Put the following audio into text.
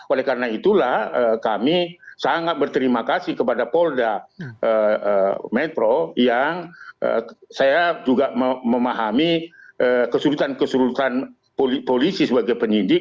oleh karena itulah kami sangat berterima kasih kepada polda metro yang saya juga memahami kesulitan kesulitan polisi sebagai penyidik